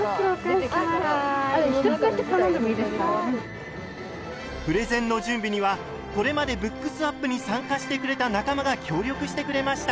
袋お返ししますプレゼンの準備にはこれまでＢｏｏｋｓｗａｐに参加してくれた仲間が協力してくれました。